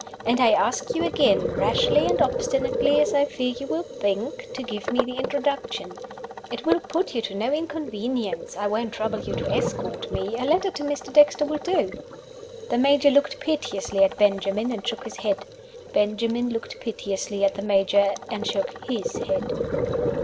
And I ask you again rashly and obstinately as I fear you will think to give me the introduction. It will put you to no inconvenience. I won't trouble you to escort me; a letter to Mr. Dexter will do." The Major looked piteously at Benjamin, and shook his head. Benjamin looked piteously at the Major, and shook his head.